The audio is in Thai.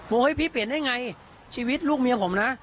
เฮ้ยพี่เปลี่ยนได้ไงชีวิตลูกเมียผมนะ